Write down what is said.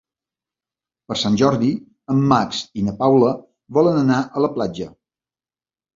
Per Sant Jordi en Max i na Paula volen anar a la platja.